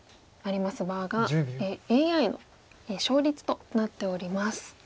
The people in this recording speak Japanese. バーがＡＩの勝率となっております。